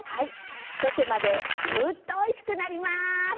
ひと手間でグーッとおいしくなります！